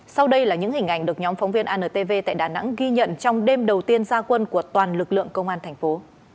sau đây là những hình ảnh được nhóm phóng viên antv tại đà nẵng ghi nhận trong đêm đầu tiên gia quân của toàn lực lượng công an thành phố